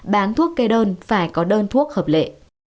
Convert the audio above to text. bán thuốc kê đơn phải có đơn thuốc hợp lệ